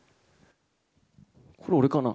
これ、俺かな？